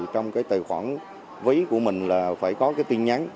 trong tài khoản vấy của mình là phải có tin nhắn